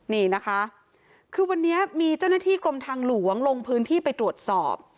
นี่นะคะคือวันนี้มีเจ้าหน้าที่กรมทางหลวงลงพื้นที่ไปตรวจสอบ